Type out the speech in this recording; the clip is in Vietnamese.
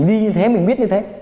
đi như thế mình biết như thế